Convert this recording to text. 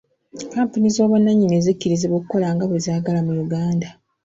Kkampuni z'obwannannyini zikkirizibwa okukola nga bwe zaagala mu Uganda.